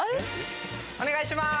お願いします。